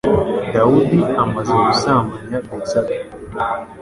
Dawudi amaze gusambanya Betsabe